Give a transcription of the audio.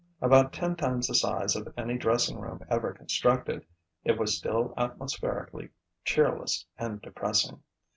About ten times the size of any dressing room ever constructed, it was still atmospherically cheerless and depressing.